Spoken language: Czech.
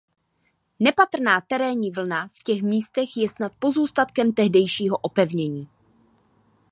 Nepatrná terénní vlna v těch místech je snad pozůstatkem tehdejšího opevnění.